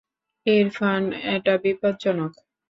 ইরফান, এটা বিপজ্জনক।